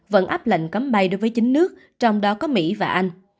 vẫn áp lệnh cấm bay đối với chín nước trong đó có mỹ và anh